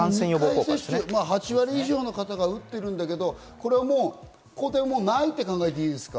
８割以上の方が打っているんだけれども、これはもう抗体ないと考えていいですか？